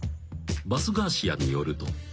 ［バスガーシアンによると］